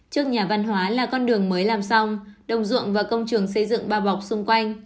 trước nhà văn hóa là con đường mới làm xong đồng ruộng và công trường xây dựng bao bọc xung quanh